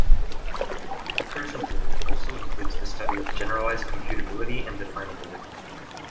Recursion theory also includes the study of generalized computability and definability.